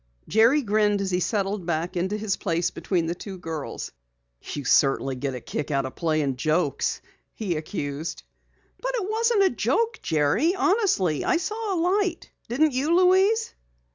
Jerry grinned as he settled back into his place between the two girls. "You certainly get a kick out of playing jokes," he accused. "But it wasn't a joke, Jerry. Honestly, I saw a light. Didn't you, Louise?"